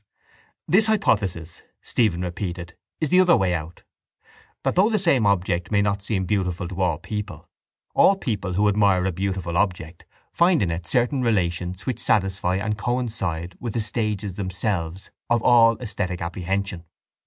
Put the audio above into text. —This hypothesis, Stephen repeated, is the other way out: that, though the same object may not seem beautiful to all people, all people who admire a beautiful object find in it certain relations which satisfy and coincide with the stages themselves of all esthetic apprehension.